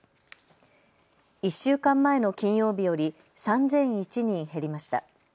１週間前の金曜日より３００１人減りました。